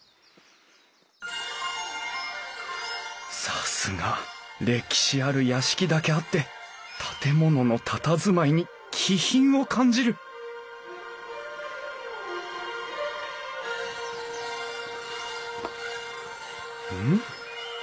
さすが歴史ある屋敷だけあって建物のたたずまいに気品を感じるうん？